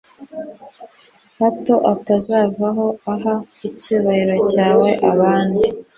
hato atazavaho aha icyubahiro cyawe abandi